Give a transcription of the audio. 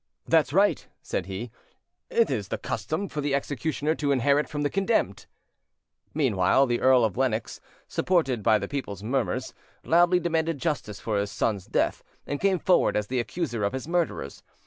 "That's right," said he; "it is the custom for the executioner to inherit from the condemned". Meanwhile, the Earl of Lennox, supported by the people's murmurs, loudly demanded justice for his son's death, and came forward as the accuser of his murderers.